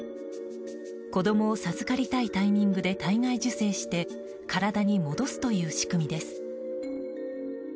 子供を授かりたいタイミングで体外受精して体に戻すという仕組みです。